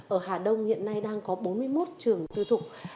ở hà đông hiện nay đang có bốn mươi một trường tư thục